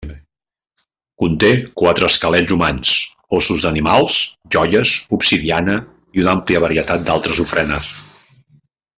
Conté quatre esquelets humans, ossos d'animals, joies, obsidiana i una àmplia varietat d'altres ofrenes.